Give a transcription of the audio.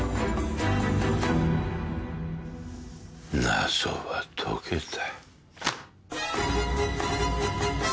謎は解けた。